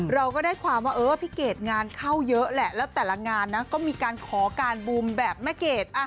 เราก็ได้ความว่าเออพี่เกดงานเข้าเยอะแหละแล้วแต่ละงานนะก็มีการขอการบูมแบบแม่เกด